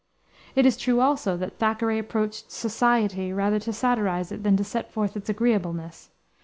It is true, also, that Thackeray approached "society" rather to satirize it than to set forth its agreeableness.